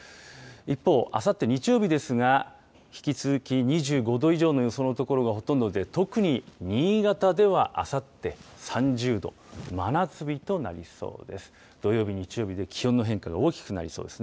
一方、あさって日曜日ですが、引き続き２５度以上の予想の所がほとんどで、特に新潟ではあさって３０度、真夏日となりそうです。